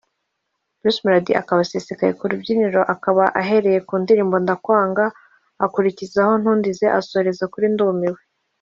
Bruce Melody asesekaye ku rubyiniro akaba ahereye ku ndirimbo ’Ndakwanga’ akurikizaho ’Ntundize’ asoreza kuri ’Ndumiwe